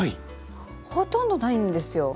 ほとんどないんですよ。